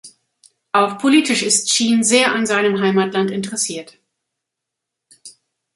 Auch politisch ist Sheen sehr an seinem Heimatland interessiert.